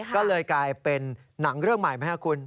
ก็เลยกลายเป็นหนังเรื่องใหม่ไหมครับคุณ